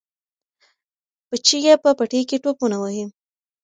بچي یې په پټي کې ټوپونه وهي.